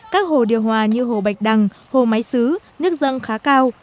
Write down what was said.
các hồ điều hòa như hồ bạch đằng hồ máy sứ nước răng khá cao